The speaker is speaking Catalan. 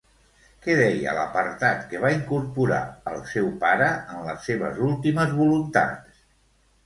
Què deia l'apartat que va incorporar el seu pare en les seves últimes voluntats?